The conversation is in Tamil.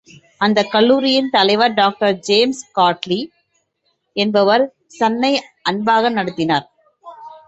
அந்தக் கல்லூரியின் தலைவர் டாக்டர் ஜேம்ஸ்காட்லி என்பவர் சன்னை அன்பாக நடத்தினார்.